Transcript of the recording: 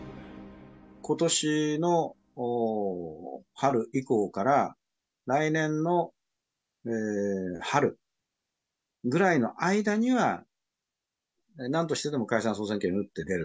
ことしの春以降から、来年の春ぐらいの間には、なんとしてでも解散・総選挙に打って出る。